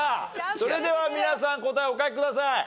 それでは皆さん答えお書きください。